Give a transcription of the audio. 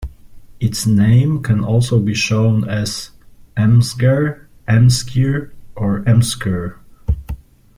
Its name can also be shown as Em-sger, Emskir or Emskyr.